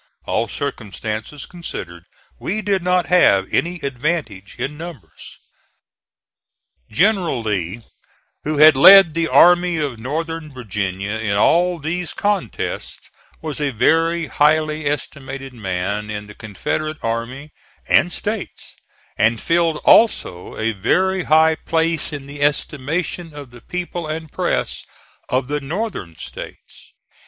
All circumstances considered we did not have any advantage in numbers. General Lee, who had led the Army of Northern Virginia in all these contests, was a very highly estimated man in the Confederate army and States, and filled also a very high place in the estimation of the people and press of the Northern States.